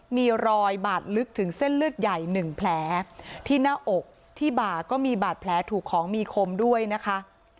มีรอยบาดลึกถึงเส้นเลือดใหญ่หนึ่งแผลที่หน้าอกที่บ่าก็มีบาดแผลถูกของมีคมด้วยนะคะ